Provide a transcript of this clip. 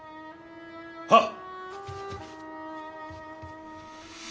はっ！